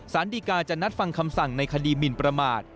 สารดีกาจะนัดฟังคำสั่งในคดีหมินประมาท